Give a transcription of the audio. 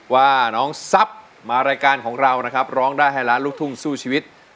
ว่าน้องทรัพย์มารายการของเรานะครับร้องได้ให้ล้านลูกทุ่งสู้ชีวิต